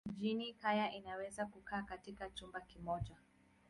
Mjini kaya inaweza kukaa katika chumba kimoja.